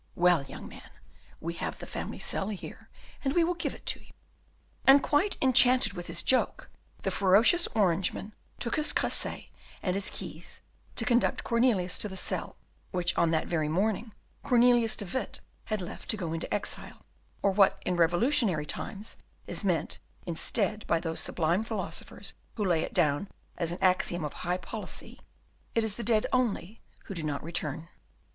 Well, young man, we have the family cell here, and we will give it to you." And quite enchanted with his joke, the ferocious Orangeman took his cresset and his keys to conduct Cornelius to the cell, which on that very morning Cornelius de Witt had left to go into exile, or what in revolutionary times is meant instead by those sublime philosophers who lay it down as an axiom of high policy, "It is the dead only who do not return."